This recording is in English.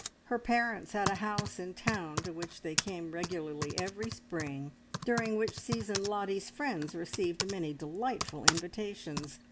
Her parents had a house in town to which they came regularly every spring, during which season Lottie's friends received many delightful invitations.